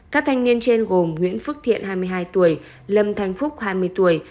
các thanh niên trên gồm nguyễn phước thiện hai mươi hai tuổi lâm thanh phúc hai mươi tuổi